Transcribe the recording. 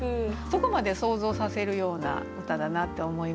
そこまで想像させるような歌だなって思いました。